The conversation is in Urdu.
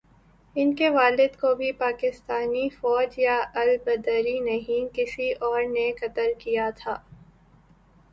ان کے والد کو بھی پاکستانی فوج یا البدر نے نہیں، کسی اور نے قتل کیا تھا۔